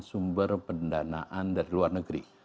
sumber pendanaan dari luar negeri